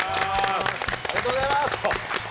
ありがとうございます。